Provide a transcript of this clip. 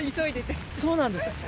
そうなんですね。